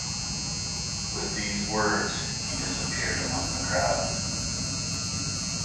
With these words he disappeared among the crowd.